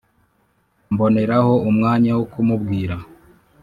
mboneraho umwanya wo kumubwira